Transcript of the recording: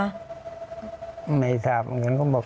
ไม่ทราบเหมือนกันเขาบอกไปต่างกังวัด